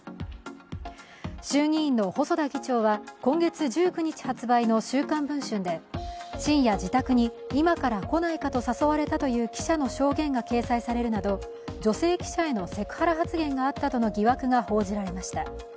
衆議院の細田議長は今月１９日発売の「週刊文春」で深夜自宅に今から来ないかと誘われたという記者の証言が掲載されるなど女性記者へのセクハラ発言があったとの疑惑が報じられました。